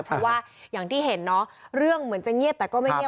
เพราะว่าอย่างที่เห็นเนาะเรื่องเหมือนจะเงียบแต่ก็ไม่เย